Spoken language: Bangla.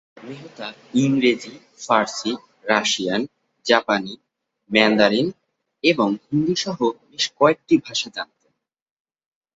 মেহতা ইংরেজি, ফরাসি, রাশিয়ান, জাপানি, ম্যান্ডারিন এবং হিন্দি সহ বেশ কয়েকটি ভাষা জানতেন।